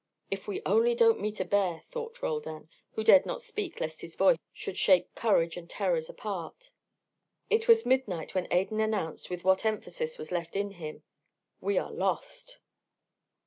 "If we only don't meet a bear," thought Roldan, who dared not speak lest his voice should shake courage and terrors apart. It was midnight when Adan announced with what emphasis was left in him, "We are lost."